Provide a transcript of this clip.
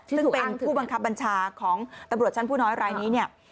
ซึ่งเป็นผู้บังคับบัญชาของตำรวจชั้นผู้น้อยรายนี้เนี่ย